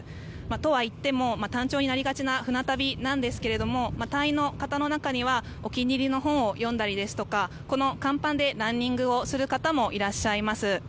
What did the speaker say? とはいっても、単調になりがちな船旅なんですが隊員の方の中にはお気に入りの本を読んだりとか甲板でランニングをする方もいらっしゃいます。